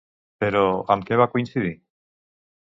Però, amb què va coincidir?